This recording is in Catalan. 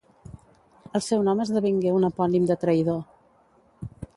El seu nom esdevingué un epònim de traïdor.